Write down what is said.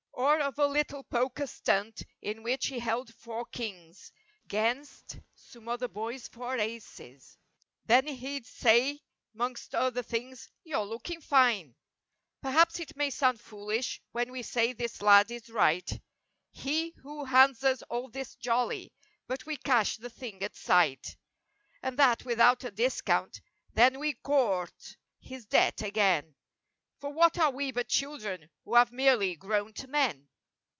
Or of a little poker stunt in which he held four kings 'Gainst some other boys' four aces. Then he'd say mongst other things— "You're looking fineV Perhaps it may sound foolish when we say this lad is right; He who hands us all this "jolly," but we cash the thing at sight 36 And that without a discount. Then we court his debt again, For what are we but children who have merely grown to men!